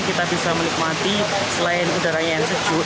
kita bisa menikmati selain udaranya yang sejuk